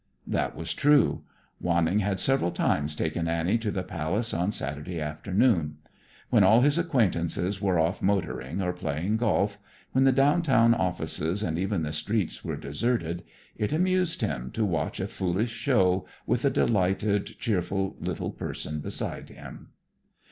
That was true. Wanning had several times taken Annie to the Palace on Saturday afternoon. When all his acquaintances were off motoring or playing golf, when the down town offices and even the streets were deserted, it amused him to watch a foolish show with a delighted, cheerful little person beside him.